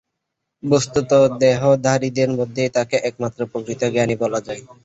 বস্তুত দেহধারীদের মধ্যে তাঁকেই একমাত্র প্রকৃত জ্ঞানী বলা যায়।